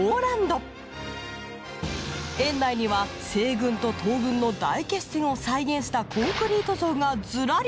園内には西軍と東軍の大決戦を再現したコンクリート像がずらり。